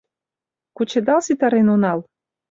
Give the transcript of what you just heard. — Кучедал ситарен онал...